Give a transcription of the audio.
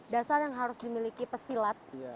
dasar yang harus dimiliki pesilat